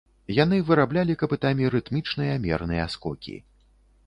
Яны выраблялі капытамі рытмічныя, мерныя скокі.